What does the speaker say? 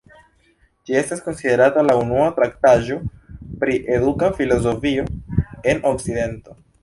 Ĝi estas konsiderata la unua traktaĵo pri eduka filozofio en Okcidento.